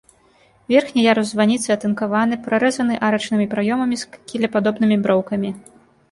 Верхні ярус званіцы, атынкаваны, прарэзаны арачнымі праёмамі з кілепадобнымі броўкамі.